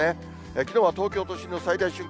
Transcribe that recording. きのうは東京都心の最大瞬間